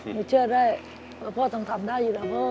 หนูเชื่อได้ว่าพ่อต้องทำได้อยู่แล้วพ่อ